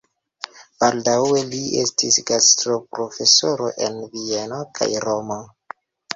Baldaŭe li estis gastoprofesoro en Vieno kaj Romo.